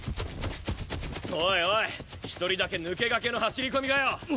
おいおい一人だけ抜け駆けの走り込みかよ。